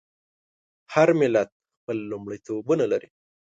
هر ملت خپل لومړیتوبونه لري.